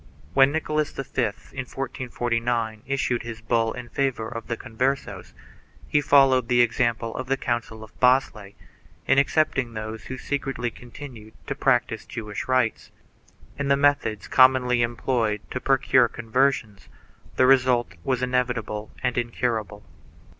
When Nicholas V, in 1449, issued his bull in favor of the Converses, he followed the example of the council of Basle, in excepting those who secretly continued to practise Jewish rites. In the methods com monly employed to procure conversions the result was inevitable and incurable.